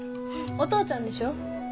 お父ちゃんでしょ。